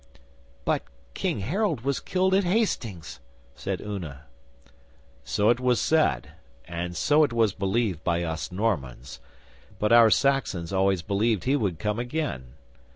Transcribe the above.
'But King Harold was killed at Hastings,' said Una. 'So it was said, and so it was believed by us Normans, but our Saxons always believed he would come again.